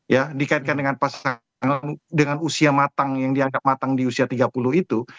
ya dikaitkan dengan pasangan dengan usia matang yang dianggap matang di usia tiga puluh itu